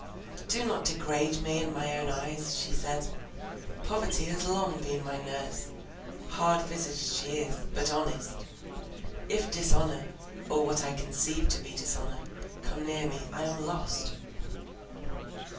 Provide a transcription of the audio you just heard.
"Do not degrade me in my own eyes," she said; "poverty has long been my nurse; hard visaged she is, but honest. If dishonour, or what I conceive to be dishonour, come near me, I am lost."